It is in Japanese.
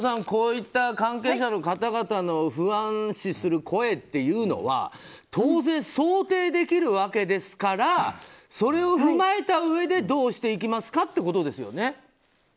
こういった関係者の方たちの不安視する声というのは当然、想定できるわけですからそれを踏まえたうえでどうしていきますか